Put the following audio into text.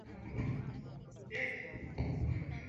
Leo atatandika kitanda chake mwenyewe